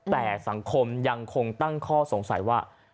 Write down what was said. แต่สังคมยังคงตั้งข้อสงสัยว่า